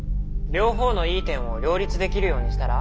「両方のいい点を両立できるようにしたら？」。